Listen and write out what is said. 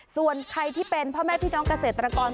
ส่วนใครที่เป็นพ่อแม่พี่น้องเกษตรกร